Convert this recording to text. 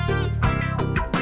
lontong kari dua